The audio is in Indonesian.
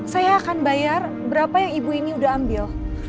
saya akan bayar berapa yang ibu ini udah ambil